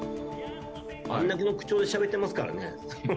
あれだけの口調でしゃべってますからね。